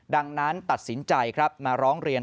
ดังนั้นตัดสินใจครับมาร้องเรียน